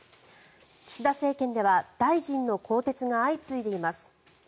岸田政権では大臣の更迭が相次いでいます。